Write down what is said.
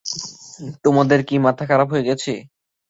তোমাদের কি মাথা খারাপ হয়ে গেছে?